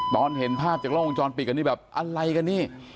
ตอนเห็นภาพจากล้องวงจรปิดอันนี้แบบอะไรกันนี่